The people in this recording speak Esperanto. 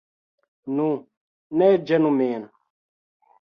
Nu, ne ĝenu vin!